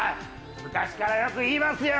昔からよく言いますよ。